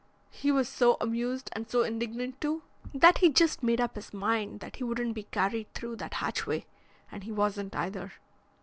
He was so amused, and so indignant too, that he just made up his mind that he wouldn't be carried through that hatchway, and he wasn't, either."